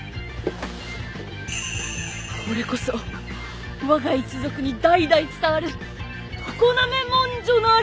これこそわが一族に代々伝わる常滑文書なり！